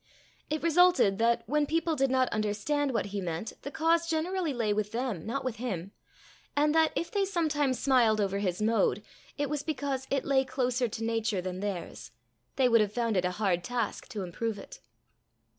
It resulted that, when people did not understand what he meant, the cause generally lay with them not with him; and that, if they sometimes smiled over his mode, it was because it lay closer to nature than theirs: they would have found it a hard task to improve it.